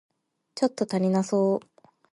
ちょっと足りなそう